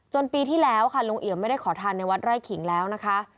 ปีที่แล้วค่ะลุงเอี่ยมไม่ได้ขอทานในวัดไร่ขิงแล้วนะคะ